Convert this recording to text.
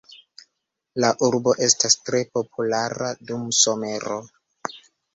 La urbo estas tre populara dum somero.